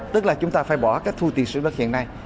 tức là chúng ta phải bỏ cách thu tiền sử đất hiện nay